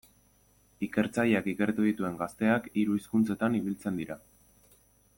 Ikertzaileak ikertu dituen gazteak hiru hizkuntzetan ibiltzen dira.